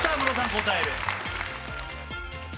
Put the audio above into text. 答える。